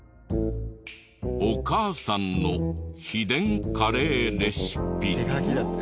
お母さんの秘伝カレーレシピ。